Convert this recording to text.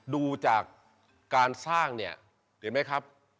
ดูจากการสร้างเนี่ยเห็นไหมครับ